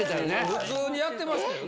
普通にやってましたよね。